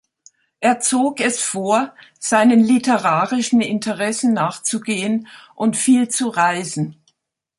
Er zog es vor, seinen literarischen Interessen nachzugehen und viel zu reisen.